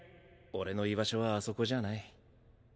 俺の居場所はあそこじゃない。